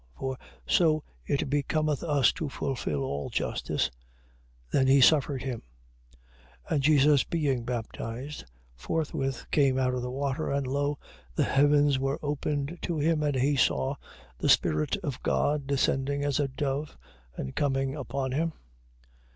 For so it becometh us to fulfil all justice. Then he suffered him. 3:16. And Jesus being baptized, forthwith came out of the water: and lo, the heavens were opened to him: and he saw the Spirit of God descending as a dove, and coming upon him.